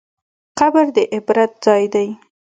قبر د عبرت ځای دی.